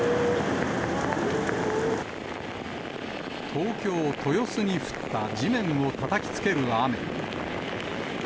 東京・豊洲に降った地面をたたきつける雨。